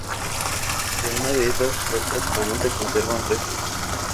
De una de esas puertas aún se conservan restos.